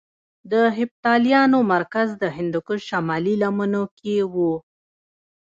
د هېپتاليانو مرکز د هندوکش شمالي لمنو کې کې وو